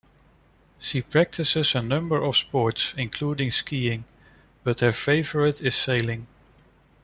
She practices a number of sports including skiing, but her favorite is sailing.